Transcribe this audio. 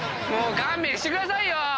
もう勘弁してくださいよ！